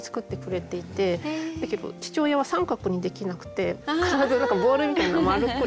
だけど父親は三角にできなくて必ずボールみたいな丸っこいの。